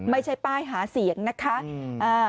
ไม่ใช่ป้ายหาเสียงนะคะ